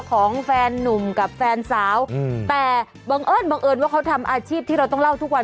ของแฟนนุ่มกับแฟนสาวอืมแต่บังเอิญบังเอิญว่าเขาทำอาชีพที่เราต้องเล่าทุกวัน